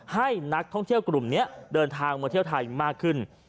ให้นักท่องเที่ยวกลุ่มนี้เดินทางมาเที่ยวไทยมากขึ้น